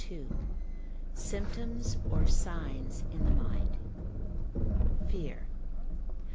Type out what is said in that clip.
—Symptoms or Signs in the Mind. Fear.